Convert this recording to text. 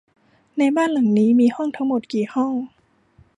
ในบ้านหลังนี้มีห้องทั้งหมดกี่ห้อง ?